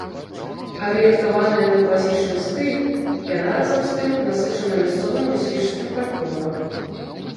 Арыентаваная на класічны стыль, яна разам з тым насычана мясцовым нясвіжскім фальклорам.